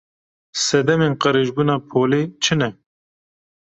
Sedemên qirêjbûna polê çi ne?